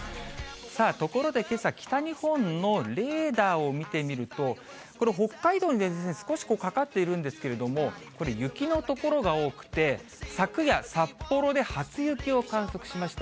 さあ、ところでけさ、北日本のレーダーを見てみると、北海道に少しかかっているんですけれども、これ、雪の所が多くて、昨夜、札幌で初雪を観測しました。